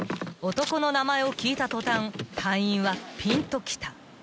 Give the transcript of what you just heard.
［男の名前を聞いた途端隊員はぴんときた］